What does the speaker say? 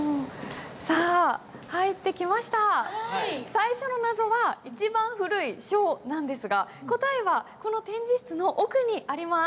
最初の謎は「一番古い書」なんですが答えはこの展示室の奥にあります。